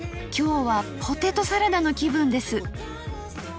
今日はポテトサラダの気分です。